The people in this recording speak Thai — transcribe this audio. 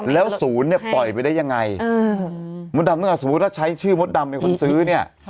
แล้วศูนย์เนี่ยปล่อยไปได้ยังไงมดดำถ้าสมมุติว่าใช้ชื่อมดดำเป็นคนซื้อเนี่ย